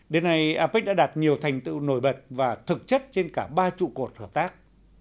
đến nay apec đã đạt nhiều thành tựu nổi bật và thực chất trên cả ba trụ cột hợp tác